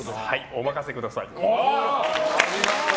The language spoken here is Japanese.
お任せください！